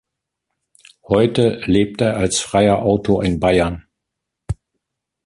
Heute lebt er als freier Autor in Bayern.